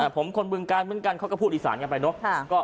ผมคนบึงกันเขาก็พูดอีสานกันไปเนอะ